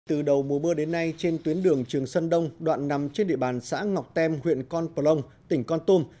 từ đầu mùa mưa đến nay trên tuyến đường trường sơn đông đoạn nằm trên địa bàn xã ngọc tem huyện con pò long tỉnh con tôm